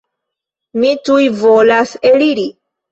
Mi tuj volas eliri.